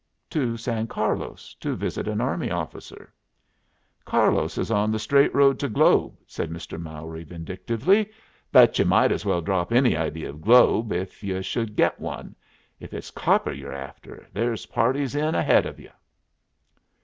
To San Carlos to visit an army officer." "Carlos is on the straight road to Globe," said Mr. Mowry, vindictively. "But ye might as well drop any idea of Globe, if ye should get one. If it's copper ye're after, there's parties in ahead of you."